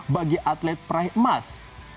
bagi atlet peraih emas